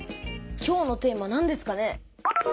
今日のテーマなんですかね。